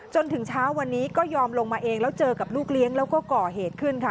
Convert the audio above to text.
จนถึงเช้าวันนี้ก็ยอมลงมาเองแล้วเจอกับลูกเลี้ยงแล้วก็ก่อเหตุขึ้นค่ะ